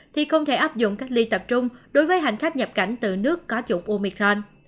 thì không thể áp dụng cách ly tập trung đối với hành khách nhập cảnh từ nước có chủng omicron